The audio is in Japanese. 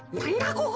ここ。